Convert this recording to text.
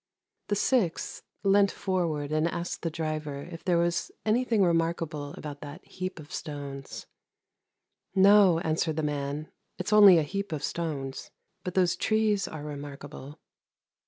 The sixth leant forward and asked the driver if there was anything re markable about that heap of stones. ' No,' answered the man, 'it's only a heap of stones; but those trees are remarkable.'